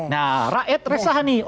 nah rakyat resah nih